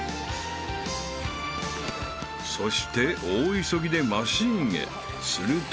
［そして大急ぎでマシンへすると］